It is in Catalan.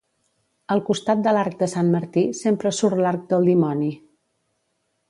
Al costat de l'arc de Sant Martí, sempre surt l'arc del dimoni.